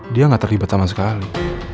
dia tidak terlibat sama sekali